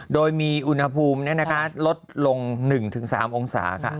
โดยมีอุณหภูมิลดลง๑๓องศาค่ะ